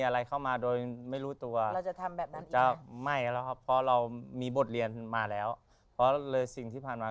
ถ้าอยากรู้ดวงชะตาต่อไปจะเป็นยังไง